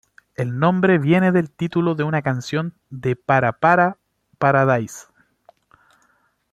El nombre viene del título de una canción de Para Para Paradise.